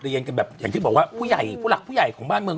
อย่างที่บอกว่าผู้หลักผู้ใหญ่ของบ้านเมือง